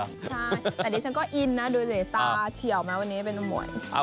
ใช่แต่เดี๋ยวฉันก็อินนะโดยแต่ตาเฉียวมาวันนี้เป็นอมวย